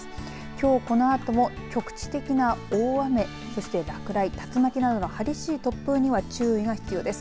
きょう、このあとも局地的な大雨そして落雷、竜巻などの激しい突風には注意が必要です。